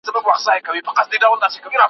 غم يې نه دی ليدلی .